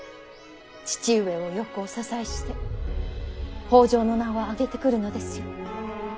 父上をよくお支えして北条の名を上げてくるのですよ。